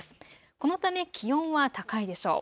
このため気温は高いでしょう。